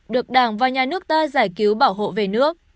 được đảng và nhà nước ta giải cứu bảo hộ về nước